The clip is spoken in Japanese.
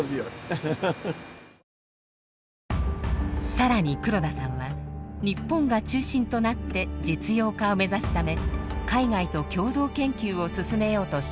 更に黒田さんは日本が中心となって実用化を目指すため海外と共同研究を進めようとしています。